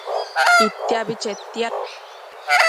Itiabi chetiad